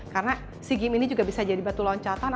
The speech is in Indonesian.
karena sea games ini juga bisa jadi batu loncatan